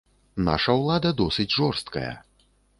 Наша ўлада досыць жорсткая.